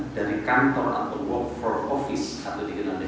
dari kantor atau work for office atau dikenal dengan wfo